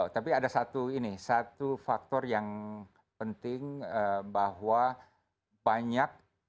tapi ada satu ini satu faktor yang penting bahwa banyak